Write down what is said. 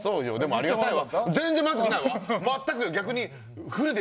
ありがたいわ。